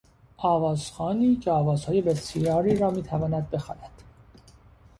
آوازخوانی که آوازهای بسیاری را میتواند بخواند